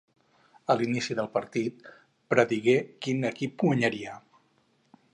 A l'inici del partit predigué quin equip guanyaria.